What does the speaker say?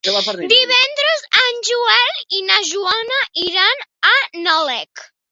Divendres en Joel i na Joana iran a Nalec.